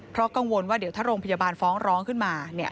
เพราะกังวลว่าเดี๋ยวถ้าโรงพยาบาลฟ้องร้องขึ้นมา